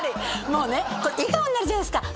もうねこれ笑顔になるじゃないですか